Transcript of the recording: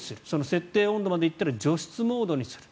設定温度まで行ったら除湿モードにする。